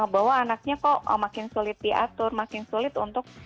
mereka merasa bahwa anaknya kok makin sulit diatur makin sulit diatur